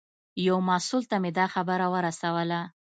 یو مسوول ته مې دا خبره ورسوله.